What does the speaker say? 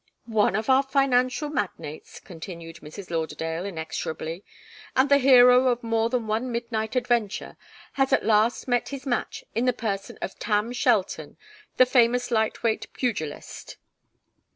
"' one of our financial magnates,'" continued Mrs. Lauderdale, inexorably, "and the hero of more than one midnight adventure, has at last met his match in the person of Tam Shelton, the famous light weight pugilist.